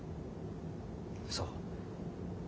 そう。